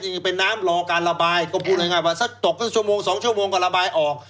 ยังเป็นน้ำรอการระบายก็พูดอย่างง่ายว่าถ้าตกก็๑๒ชั่วโมงก็ระบายออก